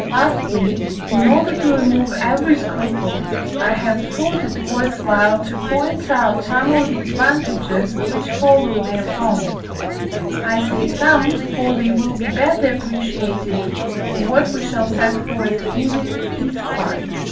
Lastly, in order to remove every scruple, I have thought it worth while to point out some of the advantages, which follow therefrom. I say "some," for they will be better appreciated from what we shall set forth in the fifth part.